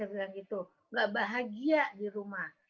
tidak bahagia di rumah